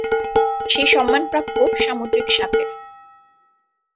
সেই সন্মান প্রাপ্য সামুদ্রিক সাপের।